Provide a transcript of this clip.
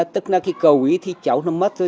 tức là cái cầu ý thì cháu nó mất thôi